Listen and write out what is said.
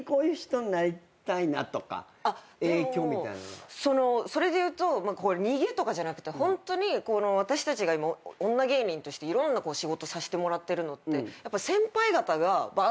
でもそれでいうと逃げとかじゃなくてホントに私たちが女芸人としていろんな仕事させてもらってるのって。